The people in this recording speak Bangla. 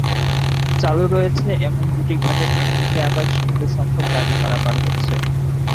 চালু রয়েছে এমন দুটি ঘাটের একটিতে আবার সীমিতসংখ্যক গাড়ি পারাপার হচ্ছে।